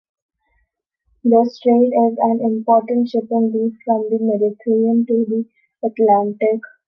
The Strait is an important shipping route from the Mediterranean to the Atlantic.